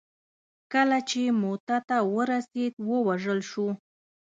کله چې موته ته ورسېد ووژل شو.